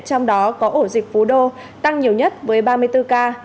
trong đó có ổ dịch phú đô tăng nhiều nhất với ba mươi bốn ca